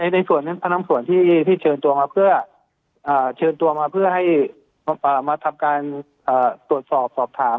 ในส่วนนั้นพนักส่วนที่เชิญตัวมาเพื่อเชิญตัวมาเพื่อให้มาทำการตรวจสอบสอบถาม